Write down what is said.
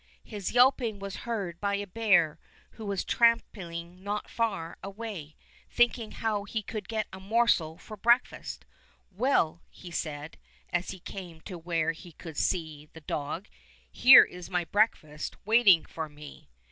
His yelping was heard by a bear who was tramping along not far away, thinking how he could get a morsel for breakfast. " Well," he said, as he came to where he could see the dog, "here is my breakfast waiting for me."